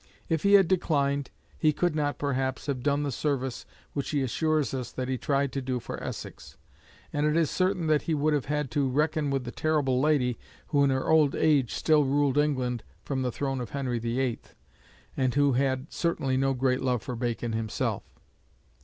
If he had declined, he could not, perhaps, have done the service which he assures us that he tried to do for Essex; and it is certain that he would have had to reckon with the terrible lady who in her old age still ruled England from the throne of Henry VIII., and who had certainly no great love for Bacon himself.